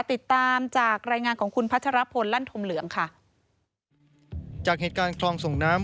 ติดตามจากรายงานของคุณพัชรพลลั่นธมเหลืองค่ะจากเหตุการณ์คลองส่งน้ำ